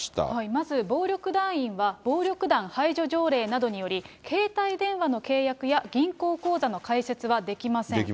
まず暴力団員は暴力団排除条例などにより、携帯電話の契約や銀行口座の開設はできません。